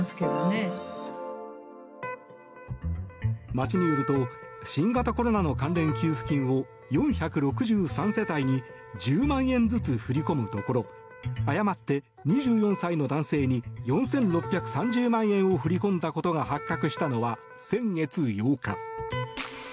町によると新型コロナの関連給付金を４６３世帯に１０万円ずつ振り込むところ誤って２４歳の男性に４６３０万円を振り込んだことが発覚したのは先月８日。